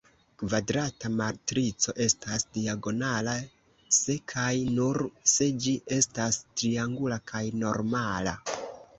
Kvadrata matrico estas diagonala se kaj nur se ĝi estas triangula kaj normala.